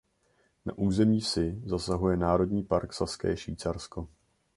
Na území vsi zasahuje Národní park Saské Švýcarsko.